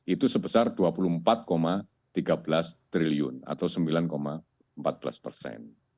itu sebesar dua puluh empat tiga belas triliun atau sembilan empat belas persen